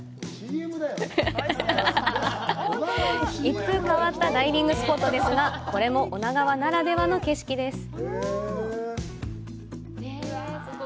一風変わったダイビングスポットですが、これも女川ならではの景色です！